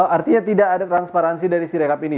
artinya tidak ada transparansi dari sirekap ini